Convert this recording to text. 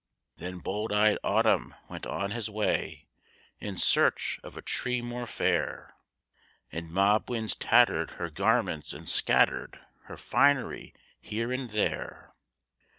Then bold eyed Autumn went on his way In search of a tree more fair; And mob winds tattered her garments and scattered Her finery here and there.